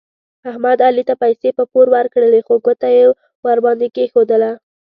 احمد علي ته پیسې په پور ورکړلې خو ګوته یې ور باندې کېښودله.